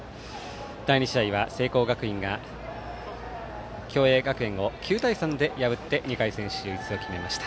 第２試合は聖光学院が共栄学園を９対３で破って２回戦進出を決めました。